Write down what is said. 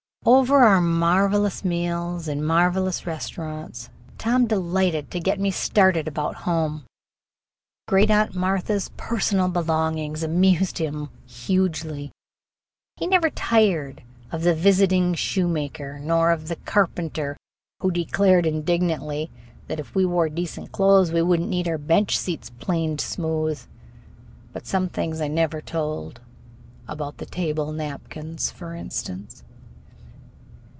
Over our marvelous meals in marvelous restaurants Tom delighted to get me started about home. Great Aunt Martha's "personal belongings" amused him hugely. He never tired of the visiting shoemaker, nor of the carpenter who declared indignantly that if we wore decent clothes we wouldn't need our bench seats planed smooth. But some things I never told about the table napkins, for instance.